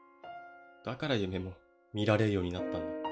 だから夢も見られるようになった。